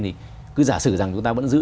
thì cứ giả sử rằng chúng ta vẫn giữ